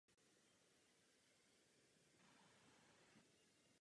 Dějově je zasazen do období po filmu "Serenity".